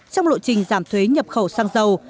trong lộ trình giảm thuế nhập khẩu xăng dầu